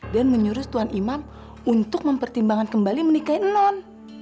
dan menyuruh tuan imam untuk mempertimbangkan kembali menikahi non